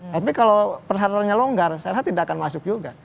tapi kalau persyaratannya longgar saya rasa tidak akan masuk juga